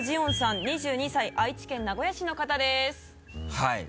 はい！